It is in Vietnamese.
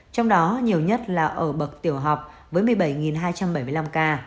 trong đó nhiều nhất là ở bậc tiểu học với một mươi bảy hai trăm bảy mươi năm ca